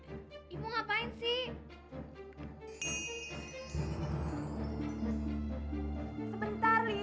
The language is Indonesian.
untuk membaik uang real madrid